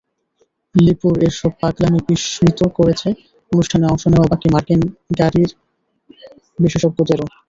লিপুর এসব পাগলামি বিস্মিত করেছে অনুষ্ঠানে অংশ নেওয়া বাকি মার্কিন গাড়ির বিশেষজ্ঞদেরও।